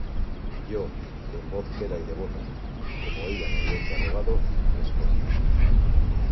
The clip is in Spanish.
yo, en voz queda y devota , como ella me había interrogado , respondí: